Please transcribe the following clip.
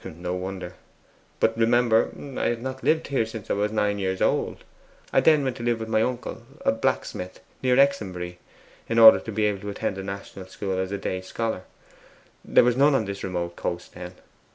'No wonder. But remember, I have not lived here since I was nine years old. I then went to live with my uncle, a blacksmith, near Exonbury, in order to be able to attend a national school as a day scholar; there was none on this remote coast then.